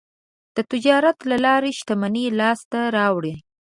د تجارت له لارې شتمني لاسته راوړي.